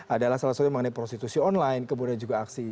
adalah salah satunya mengenai prostitusi online kemudian juga aksi